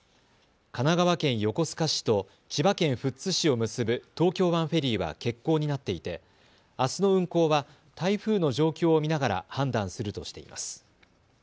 神奈川県横須賀市と千葉県富津市を結ぶ東京湾フェリーは欠航になっていてあすの運航は台風の状況を見ながら判断するとしています。